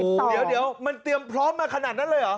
เดี๋ยวมันเตรียมพร้อมมาขนาดนั้นเลยเหรอ